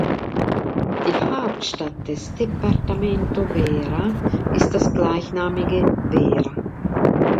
Die Hauptstadt des Departamento Vera ist das gleichnamige Vera.